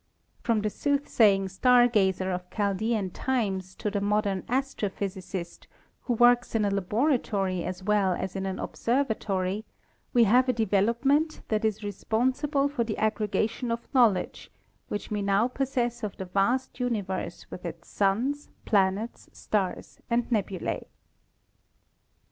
From the soothsaying star gazer of Chaldean times to the modern astrophysicist, who works in a laboratory as well as in an observatory, we have a development that is respon sible for the aggregation of knowledge which we now pos sess of the vast universe with its suns, planets, stars and nebulae.